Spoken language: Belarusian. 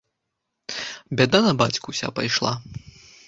Бяда на бацьку ўся пайшла.